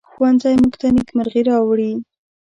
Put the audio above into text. ښوونځی موږ ته نیکمرغي راوړي